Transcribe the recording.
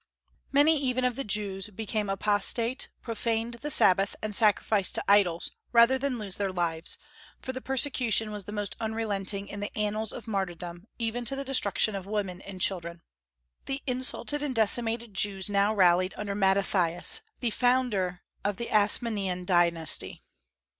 Many even of the Jews became apostate, profaned the Sabbath, and sacrificed to idols, rather than lose their lives; for the persecution was the most unrelenting in the annals of martyrdom, even to the destruction of women and children. The insulted and decimated Jews now rallied under Mattathias, the founder of the Asmonean dynasty.